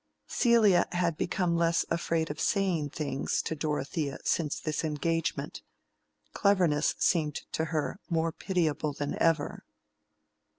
Celia had become less afraid of "saying things" to Dorothea since this engagement: cleverness seemed to her more pitiable than ever.